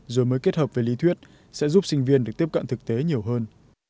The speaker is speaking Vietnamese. rồi mới kết hợp với lý thuyết sẽ giúp sinh viên được tiếp cận thực tế nhiều hơn